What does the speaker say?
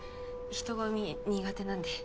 人ごみ苦手なんで。